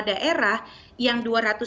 daerah yang dua ratus tujuh puluh